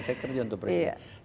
saya kerja untuk presiden